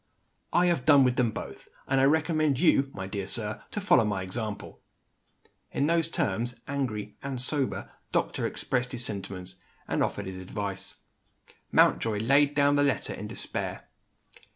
"I have done with them both and I recommend you, my dear sir, to follow my example." In those terms the angry (and sober) doctor expressed his sentiments, and offered his advice. Mountjoy laid down the letter in despair.